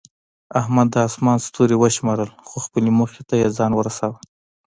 احمد د اسمان ستوري وشمارل، خو خپلې موخې ته یې ځان ورسولو.